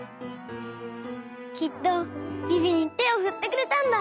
きっとビビにてをふってくれたんだ！